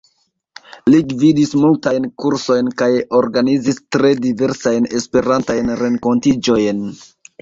Li gvidis multajn kursojn, kaj organizis tre diversajn esperantajn renkontiĝojn.